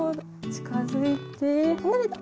近づいて離れた！